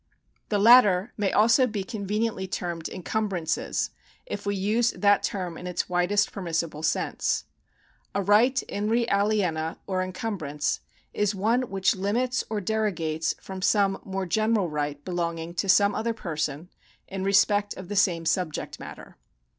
The latter may also be conveniently termed encumbrances, if we use that term in its widest permissible sense. A right w re aliena or encumbrance is one which limits or derogates from some more general right belonging to some other person in respect of the same subject matter.